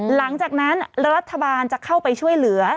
หลังจากนั้นรัฐบาลจะเข้าไปช่วยเหลือ